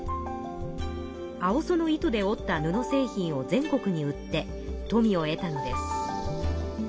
青苧の糸で織った布製品を全国に売って富を得たのです。